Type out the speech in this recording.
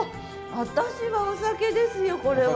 私はお酒ですよこれは。